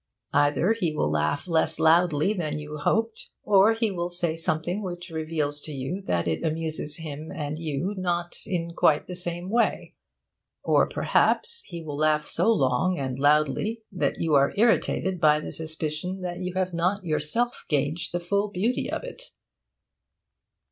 Either he will laugh less loudly than you hoped, or he will say something which reveals to you that it amuses him and you not in quite the same way. Or perhaps he will laugh so long and loudly that you are irritated by the suspicion that you have not yourself gauged the full beauty of it.